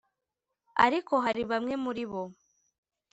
ariko hari bamwe muri bo